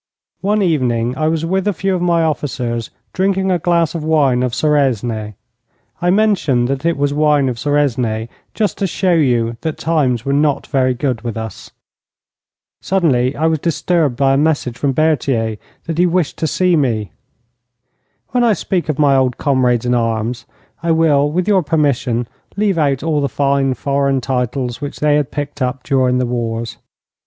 One evening I was with a few of my officers, drinking a glass of wine of Suresnes. I mention that it was wine of Suresnes just to show you that times were not very good with us. Suddenly I was disturbed by a message from Berthier that he wished to see me. When I speak of my old comrades in arms, I will, with your permission, leave out all the fine foreign titles which they had picked up during the wars.